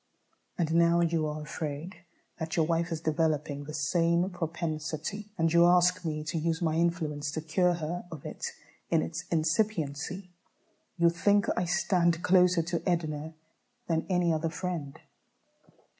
And now you are afraid that your wife is developing the same propensity, and you ask me to use my influence to cure her of it in its incipiency. You think I stand closer to Edna than any other friend.